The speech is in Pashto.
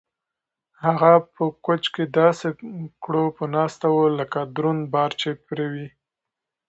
هغه په کوچ کې داسې کړوپه ناسته وه لکه دروند بار چې پرې وي.